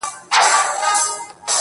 چې زۀ مها سړی یم